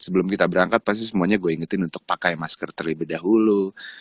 sebelum kita berangkat pasti semuanya gue ingetin untuk pakai masker terlebih dahulu